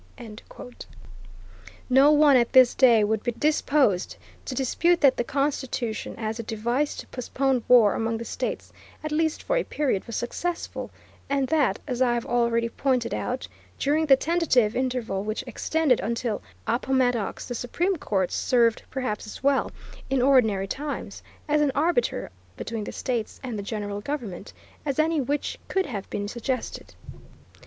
" No one, at this day, would be disposed to dispute that the Constitution, as a device to postpone war among the states, at least for a period, was successful, and that, as I have already pointed out, during the tentative interval which extended until Appomattox, the Supreme Court served perhaps as well, in ordinary times, as an arbiter between the states and the general government, as any which could have been suggested.